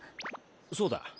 そうだ。